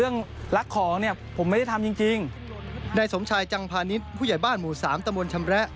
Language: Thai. ในสมชายจังพานิษฐ์ผู้ใหญ่บ้านหมู่๓ตะมนต์ชำแระ